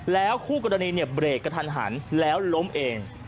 แล้วคู่กรณีเนี่ยเบรกกระทันหันแล้วล้มเอง